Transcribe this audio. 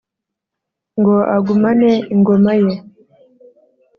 ngo agumane ingoma ye